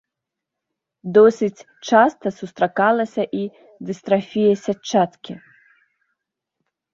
Досыць часта сустракалася і дыстрафія сятчаткі.